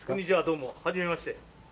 どうもはじめまして。